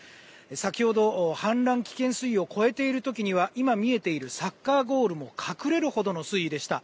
先ほど、氾濫危険水位を超えている時には今見えているサッカーゴールも隠れるほどの水位でした。